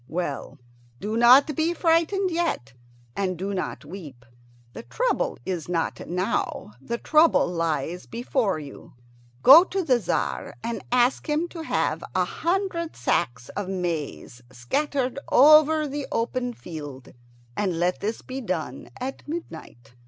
Well, do not be frightened yet, and do not weep. The trouble is not now; the trouble lies before you. Go to the Tzar and ask him to have a hundred sacks of maize scattered over the open field, and let this be done at midnight."